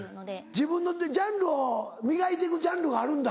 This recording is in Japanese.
自分のジャンルを磨いて行くジャンルがあるんだ。